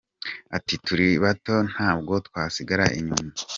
ati, Turi bato ntabwo twasigara inyuma.